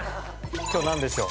今日なんでしょう？